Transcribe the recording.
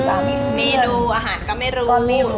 อาหารก็ไม่รู้